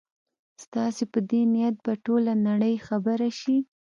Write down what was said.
ستاسي په دې نیت به ټوله نړۍ خبره شي.